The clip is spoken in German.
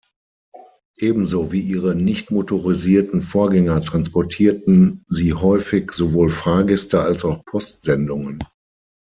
Ebenso wie ihre nichtmotorisierten Vorgänger transportieren sie häufig sowohl Fahrgäste als auch Postsendungen.